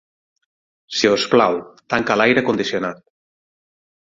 Si us plau, tanca l'aire condicionat.